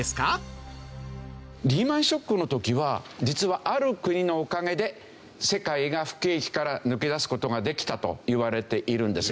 リーマンショックの時は実はある国のおかげで世界が不景気から抜け出す事ができたといわれているんです。